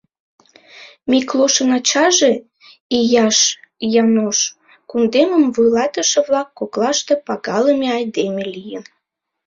Миклошын ачаже, Ийаш Йанош, кундемым вуйлатыше-влак коклаште пагалыме айдеме лийын.